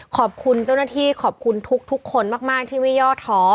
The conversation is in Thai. ขอบคุณเจ้าหน้าที่ขอบคุณทุกคนมากที่ไม่ย่อท้อ